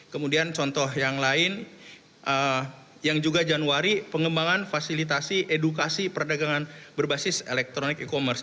kemudian contoh yang lain yang juga januari pengembangan fasilitasi edukasi perdagangan berbasis elektronik e commerce